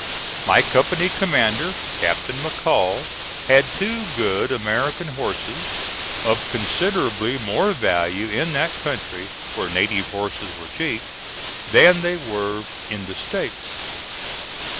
My company commander, Captain McCall, had two good American horses, of considerably more value in that country, where native horses were cheap, than they were in the States.